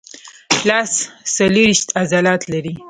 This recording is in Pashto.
لاس څلورویشت عضلات لري.